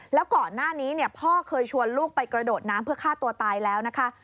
แล้วก่อนหน้านี้พ่อเคยชวนลูกไปกระโดดน้ำเพื่อฆ่าตัวตายแล้วนะคะ